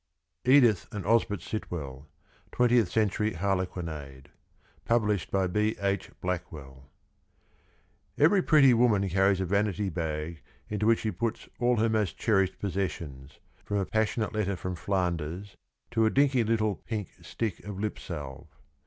Edith and Osbert Sitwell. JOth CENTURY HARLEQUINADE. Published by B. H. Blackwell. Every pretty woman carries a vanity bag into which she puts all her most cherished possessions, from a passionate letter from Flanders to a dinky little pink stick of lip salve.